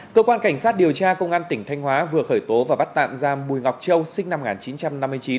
cơ quan cảnh sát điều tra công an tỉnh thanh hóa vừa khởi tố và bắt tạm giam bùi ngọc châu sinh năm một nghìn chín trăm năm mươi chín